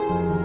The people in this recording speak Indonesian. oh siapa ini